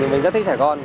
mình rất thích trẻ con